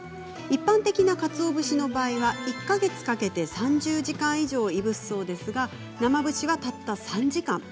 一般的なかつお節の場合１か月かけて３０時間以上いぶすそうですが生節は、たった３時間。